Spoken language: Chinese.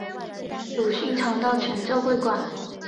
鲁迅常到全浙会馆。